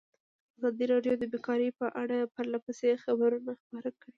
ازادي راډیو د بیکاري په اړه پرله پسې خبرونه خپاره کړي.